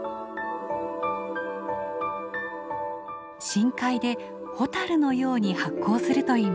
深海でホタルのように発光するといいます。